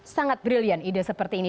sangat brilliant ide seperti ini